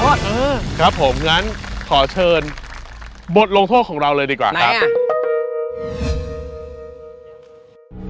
เออครับผมงั้นขอเชิญบทลงโทษของเราเลยดีกว่าครับ